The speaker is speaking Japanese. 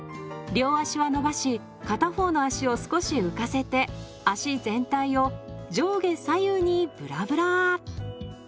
両足は伸ばし片方の足を少し浮かせて足全体を上下左右にぶらぶら。